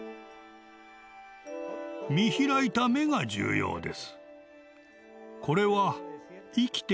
見開いた目が重要です。